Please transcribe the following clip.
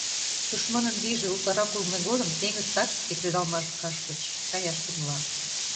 Тушманын вийже утларак улмо годым теҥыз тактике кредалмаш каш гыч каяш темла.